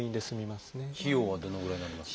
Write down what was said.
費用はどのぐらいになりますか？